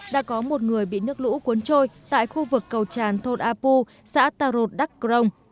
đã có một người bị nước lũ cuốn trôi tại khu vực cầu tràn thôn a pu xã tà rột đắc crong